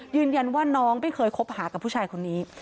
ยืนยันว่าน้องไม่เคยคบหากับผู้ชายคนนี้